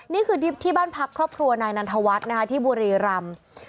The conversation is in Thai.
นี่คือที่บ้านพักครอบครัวนายนันทวัฒน์นะคะที่บุรีรำ